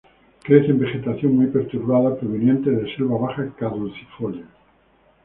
Crece en vegetación muy perturbada proveniente de selva baja caducifolia.